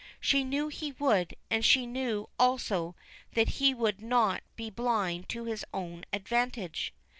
She knew he would, and she knew also that he would not be blind to his own advantage.